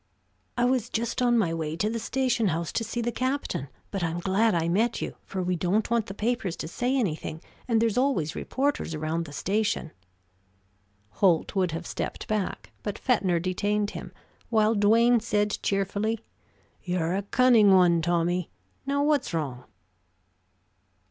"I was just on my way to the station house to see the captain, but I'm glad I met you, for we don't want the papers to say anything, and there's always reporters around the station." Holt would have stepped back, but Fetner detained him, while Duane said cheerfully: "You're a cunning one, Tommy. Now, what's wrong?"